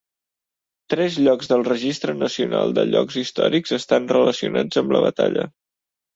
Tres llocs del Registre nacional de llocs històrics estan relacionats amb la batalla.